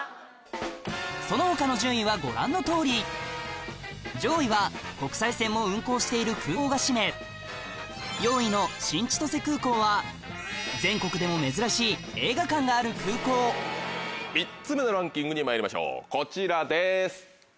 その他の順位はご覧のとおり上位は国際線も運航している空港が占め全国でも珍しい３つ目のランキングにまいりましょうこちらです。